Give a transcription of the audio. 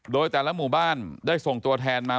โดยแต่ละหมู่บ้านได้ส่งตัวแทนมา